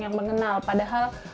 facebook tempat per tails